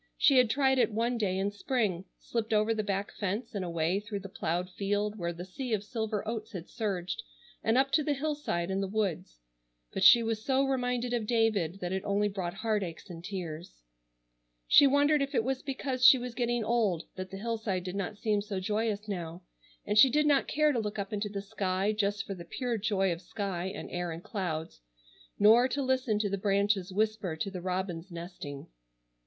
She had tried it one day in spring; slipped over the back fence and away through the ploughed field where the sea of silver oats had surged, and up to the hillside and the woods; but she was so reminded of David that it only brought heart aches and tears. She wondered if it was because she was getting old that the hillside did not seem so joyous now, and she did not care to look up into the sky just for the pure joy of sky and air and clouds, nor to listen to the branches whisper to the robins nesting.